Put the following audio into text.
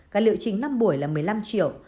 các liệu trình năm buổi là một mươi năm triệu